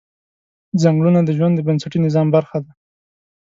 ځنګلونه د ژوند د بنسټي نظام برخه ده